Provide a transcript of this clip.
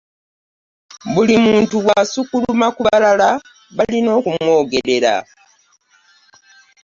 Buli muntu bwasukkuluma ku balala balina okumwogerera.